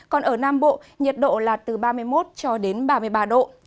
còn ở nam bộ nhiệt độ là từ ba mươi một cho đến ba mươi ba độ